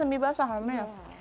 jadi pas deh takarannya